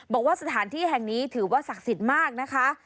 บอกว่าสถานที่แห่งนี้ถือว่าศักดิ์สิทธิ์มากนะคะ